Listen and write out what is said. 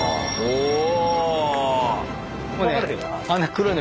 おお！